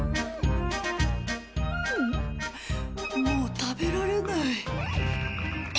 もう食べられない。